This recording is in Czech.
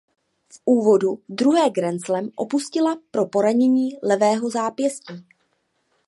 V úvodu druhé grandslam opustila pro poranění levého zápěstí.